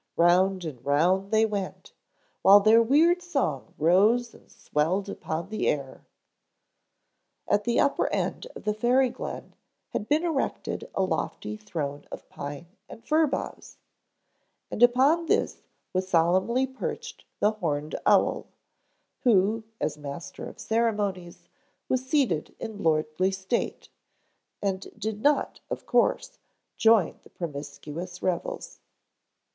Round and round they went, while their weird song rose and swelled upon the air. At the upper end of the fairy glen had been erected a lofty throne of pine and fir boughs, and upon this was solemnly perched the horned owl, who, as master of ceremonies, was seated in lordly state, and did not, of course, join the promiscuous revels.